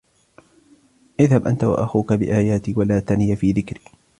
اذْهَبْ أَنْتَ وَأَخُوكَ بِآيَاتِي وَلَا تَنِيَا فِي ذِكْرِي